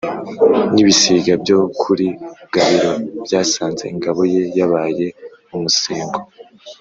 n'ibisiga byo kuli gabiro byasanze ingabo ye yabaye umusengo,